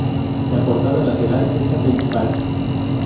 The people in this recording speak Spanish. La portada lateral es la principal.